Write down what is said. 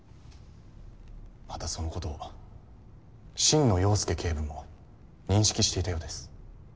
またそのことを心野陽介警部も認識していたようです。